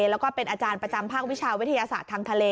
แล้วก็เป็นอาจารย์ประจำภาควิชาวิทยาศาสตร์ทางทะเล